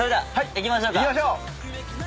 行きましょう。